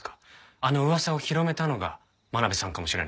あの噂を広めたのが真鍋さんかもしれないんです。